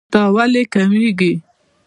دا ولې کميږي